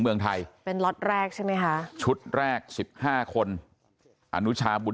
เมืองไทยเป็นล็อตแรกใช่ไหมคะชุดแรกสิบห้าคนอนุชาบุญ